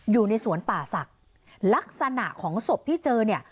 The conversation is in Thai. อยู่ในสวนป่าศักดิ์ลักษณะของศพที่เจอเนี่ย